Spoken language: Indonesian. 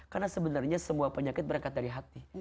karena sebenarnya semua penyakit berangkat dari hati